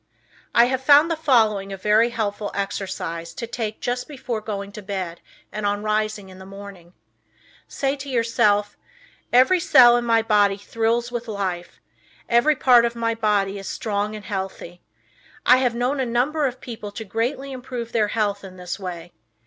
I have found the following a very helpful exercise to take just before going to bed and on rising in the morning: Say to yourself, "Every cell in my body thrills with life; every part of my body is strong and healthy." I have known a number of people to greatly improve their health in this way.